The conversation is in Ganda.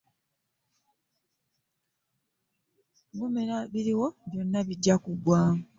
Gumira ebiriwo byonna bijja kuggwa.